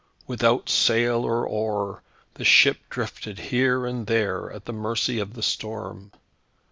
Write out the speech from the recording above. Without sail or oar, the ship drifted here and there, at the mercy of the storm.